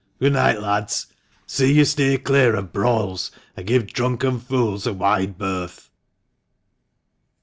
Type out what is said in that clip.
Good night, lads ! See you steer clear of brawls, and give drunken fools a wide berth."